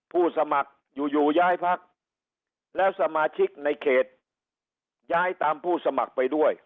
ผู้สมัครอยู่อยู่ย้ายพักแล้วสมาชิกในเขตย้ายตามผู้สมัครไปด้วย